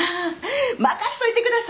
任しといてください！